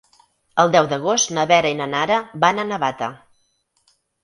El deu d'agost na Vera i na Nara van a Navata.